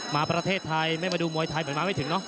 มาประเทศไทยไม่มาดูมวยไทยเหมือนมาไม่ถึงเนาะ